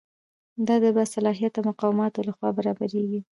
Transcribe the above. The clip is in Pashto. دا د باصلاحیته مقاماتو لخوا برابریږي.